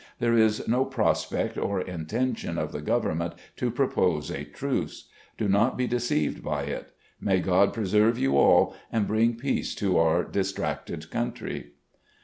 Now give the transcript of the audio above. "There is no prospect or intention of the Government to propose a truce. Do not be deceived by it. ... May God preserve you all and bring peace to our dis tracted country."